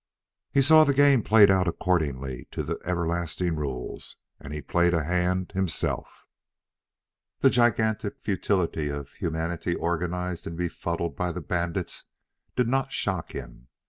He saw the game played out according to the everlasting rules, and he played a hand himself. The gigantic futility of humanity organized and befuddled by the bandits did not shock him.